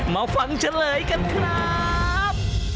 มาฟังเฉลยกันครับ